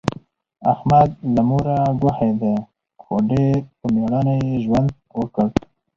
احمد له موره ګوښی دی، خو ډېر په مېړانه یې ژوند وکړ.